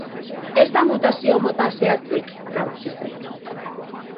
Ez da mutazio mota zehatzik nagusitzen.